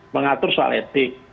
mengatur soal etik